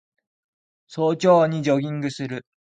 早朝にジョギングする